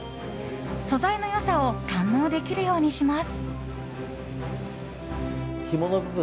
素材の良さを堪能できるようにします。